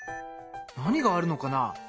何があるのかな？